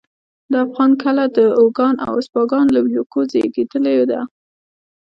د افغان کله د اوگان او اسپاگان له ويوکو زېږېدلې ده